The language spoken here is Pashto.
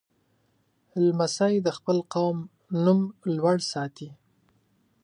لمسی د خپل قوم نوم لوړ ساتي.